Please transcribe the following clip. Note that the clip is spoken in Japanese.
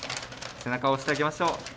背中を押してあげましょう。